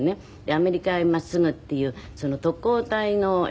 アメリカへ真っすぐっていう特攻隊の映画だったのよ。